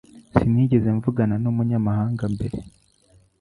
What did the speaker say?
Sinigeze mvugana numunyamahanga mbere.